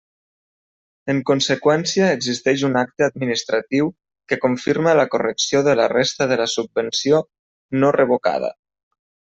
En conseqüència existeix un acte administratiu que confirma la correcció de la resta de la subvenció no revocada.